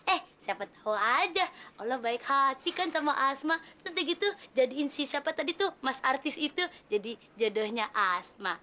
eh siapa tahu aja allah baik hati kan sama asma terus udah gitu jadiin si siapa tadi tuh mas artis itu jadi jodohnya asma